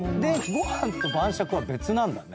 ご飯と晩酌は別なんだね。